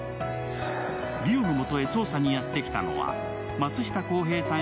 梨央のもとへ捜査にやって来たのは松下洸平さん